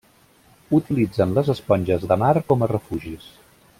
Utilitzen les esponges de mar com a refugis.